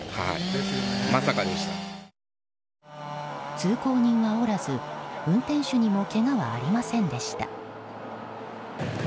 通行人はおらず、運転手にもけがはありませんでした。